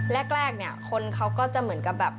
แรกคนเขาก็จะเหมือนกับแบบ